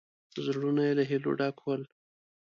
زړونه یې له هیلو ډکول.